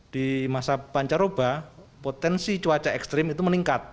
di masa pancaroba potensi cuaca ekstrim itu meningkat